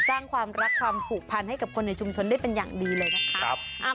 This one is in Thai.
สร้างความรักความผูกพันให้กับคนในชุมชนได้เป็นอย่างดีเลยนะคะ